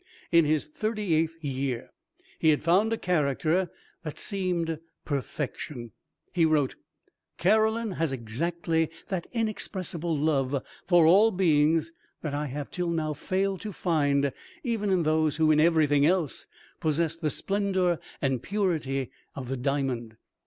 In his thirty eighth year he had found a character that seemed perfection. He wrote, "Caroline has exactly that inexpressible love for all beings that I have till now failed to find even in those who in everything else possess the splendor and purity of the diamond.